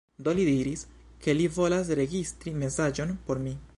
Do li diris, ke li volas registri mesaĝon por mi.